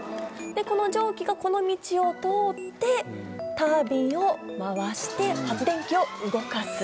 この蒸気がこの道を通ってタービンを回して発電機を動かす。